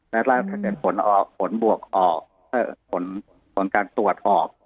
แล้วถ้าเกิดผลบวกออกผลการตรวจออก